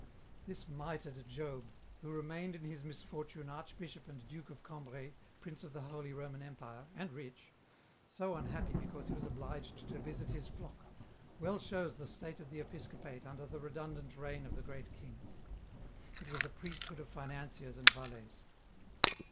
This mitred Job, who remained in his misfortune Archbishop and Duke of Cambrai, Prince of the Holy Roman Empire, and rich, so unhappy because he was obliged to visit his flock, well shows the state of the episcopate under the redundant reign of the great king. It was a priest hood of financiers and valets.